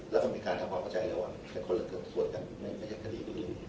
แล้วก็มีการทำความเข้าใจแล้วแต่คนละส่วนกันไม่ใช่คดีตรงนี้